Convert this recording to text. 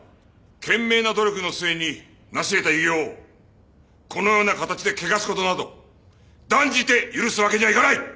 懸命な努力の末に成し得た偉業をこのような形で汚す事など断じて許すわけにはいかない！